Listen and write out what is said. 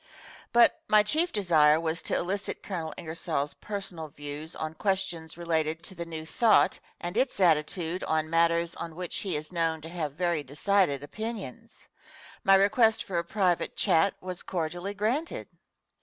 But my chief desire was to elicit Colonel Ingersoll's personal views on questions related to the New Thought and its attitude on matters on which he is known to have very decided opinions. My request for a private chat was cordially granted.